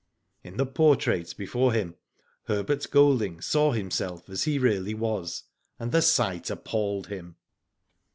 In the portrait before him Herbert Golding saw himself as he really was, and the sight appalled him.